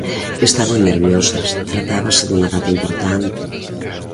Estaban nerviosas, tratábase dunha data importante.